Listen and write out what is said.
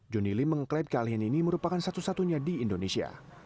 johnny lim meng clip kalian ini merupakan satu satunya di indonesia